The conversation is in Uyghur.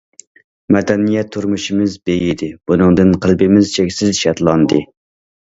مەدەنىيەت تۇرمۇشىمىز بېيىدى، بۇنىڭدىن قەلبىمىز چەكسىز شادلاندى.